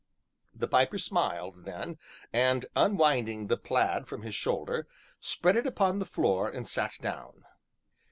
The Piper smiled, then, and, unwinding the plaid from his shoulder, spread it upon the floor, and sat down.